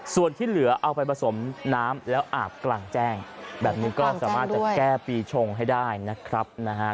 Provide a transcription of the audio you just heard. ส่วนที่เหลือเอาไปผสมน้ำแล้วอาบกลางแจ้งแบบนี้ก็สามารถจะแก้ปีชงให้ได้นะครับนะฮะ